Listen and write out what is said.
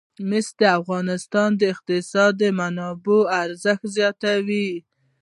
مس د افغانستان د اقتصادي منابعو ارزښت زیاتوي.